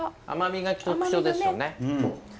甘みが特徴ですよね。